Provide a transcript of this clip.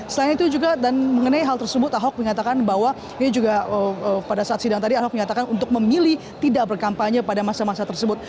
selain itu juga dan mengenai hal tersebut ahok menyatakan bahwa ini juga pada saat sidang tadi ahok menyatakan untuk memilih tidak berkampanye pada masa masa tersebut